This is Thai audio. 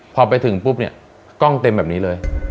พอไปถึงปุ๊บเนี่ยกล้องเต็มแบบนี้เลย